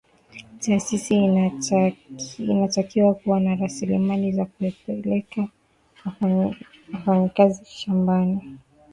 taasisi inatakiwa kuwa na rasilimali za kupeleka wafanyakazi shambani